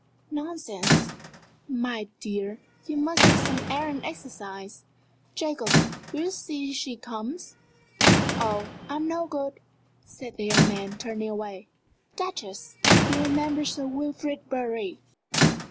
"Nonsense! My dear, you must have some air and exercise! Jacob, will you see she comes?" "Oh, I'm no good," said that young man, turning away. "Duchess, you remember Sir Wilfrid Bury?"